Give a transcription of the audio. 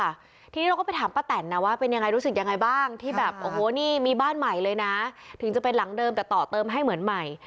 ทีนี้เราก็ไปถามป้าแตนนะว่าเป็นยังไงรู้สึกยังไงบ้างที่แบบโอ้โหนี่มีบ้านใหม่เลยนะถึงจะเป็นหลังเดิมแต่ต่อเติมให้เหมือนใหม่